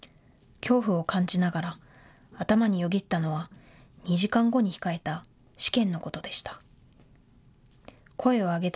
恐怖を感じながら頭によぎったのは２時間後に控えた試験のことでした。